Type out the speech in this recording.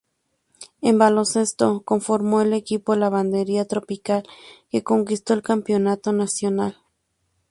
En baloncesto conformó el Equipo Lavandería Tropical que conquistó el campeonato nacional.